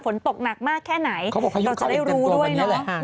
ฝนตกหนักมากแค่ไหนเราจะได้รู้ด้วยเนอะอืมเขาบอกว่า